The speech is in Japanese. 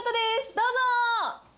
どうぞ。